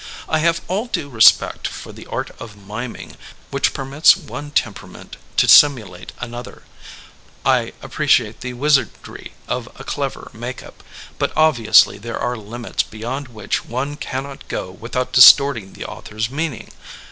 '' I have all due respect for the art of miming which permits one temperament to sim ulate another, I appreciate the wizardry of a clever make up, but obviously there are limits beyond which' 84 CHARACTERIZATION vs. SITUATION 85 one cannot go without distorting the author's mean ing.